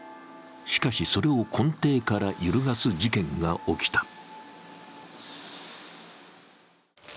しかし、それを根底から揺るがす事件が起きた。